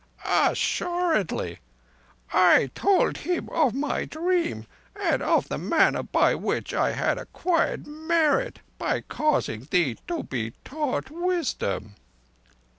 "Assuredly. I told him of my dream, and of the manner by which I had acquired merit by causing thee to be taught wisdom."